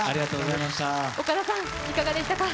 岡田さん、いかがでしたか？